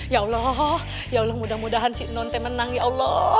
ya allah mudah mudahan si nonte menang ya allah